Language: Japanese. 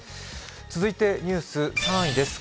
続いて、ニュース３位です。